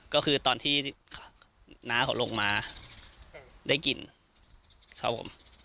ก็คือตอนที่น้าเขาลงมาได้กลิ่นครับผม